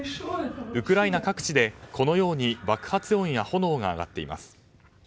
ウクライナ各地でこのように爆発音や炎が上がっています。